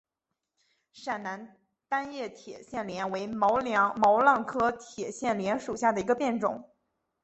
陕南单叶铁线莲为毛茛科铁线莲属下的一个变种。